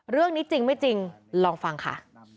เรื่องนี้จริงไม่จริงลองฟังค่ะ